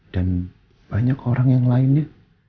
dan banyak orang yang lainnya